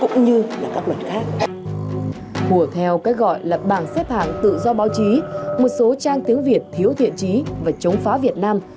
cũng theo cái gọi là bảng xếp hàng tự do báo chí một số trang tiếng việt thiếu thiện trí và chống phá việt nam